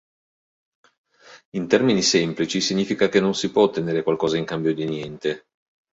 In termini semplici, significa che non si può ottenere qualcosa in cambio di niente.